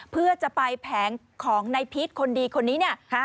เพื่อจะไปแผงของในพีชคนดีคนนี้